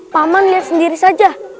paman lihat sendiri saja